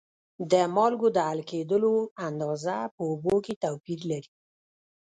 د مالګو د حل کیدلو اندازه په اوبو کې توپیر لري.